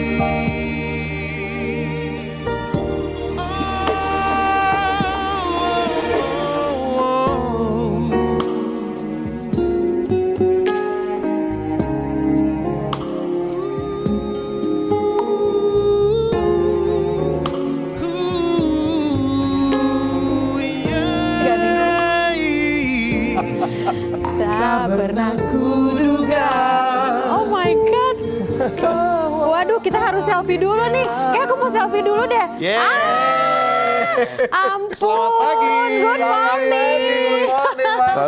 kau bukan hanya sekedar indah